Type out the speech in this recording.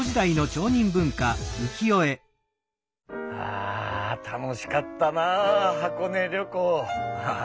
ああ楽しかったな箱根旅行！